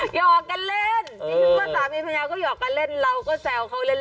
หยอกกันเล่นสามีภรรยาก็หยอกกันเล่นเราก็แซวเขาเล่น